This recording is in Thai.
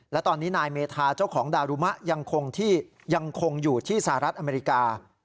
และตอนนี้นายเมธาเจ้าของดารุมะยังคงที่ยังคงอยู่ที่สหรัฐอเมริกา